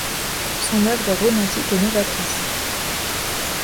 Son œuvre est romantique et novatrice.